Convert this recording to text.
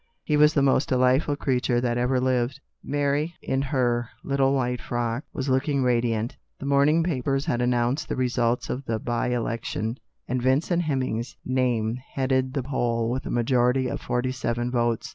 He was the most delightful creature that ever lived." Mary, in her little white frock, was looking radiant. The morning papers had announced the results of the by election, and Vincent Hemming's name headed the poll with a majority of forty seven votes.